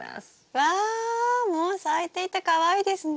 わっもう咲いていてかわいいですね。